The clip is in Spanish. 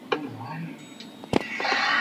Y el estilo nunca deja de ser sencillo y cercano.